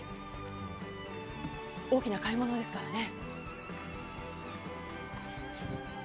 大きな買い物ですからね。